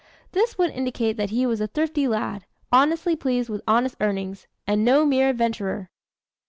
This would indicate that he was a thrifty lad, honestly pleased with honest earnings and no mere adventurer.